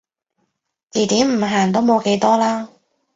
字典唔限都冇幾多啦